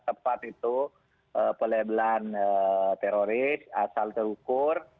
tepat itu pelebelan teroris asal terukur